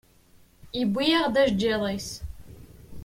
Yewwi-yaɣ-d ajeǧǧiḍ-is.